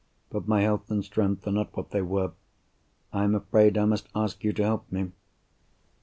But my health and strength are not what they were—I am afraid I must ask you to help me."